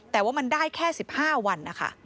แต่ว่ามันได้แค่๑๕วันนะคะ